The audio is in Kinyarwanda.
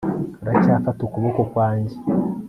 aracyafata ukuboko kwanjye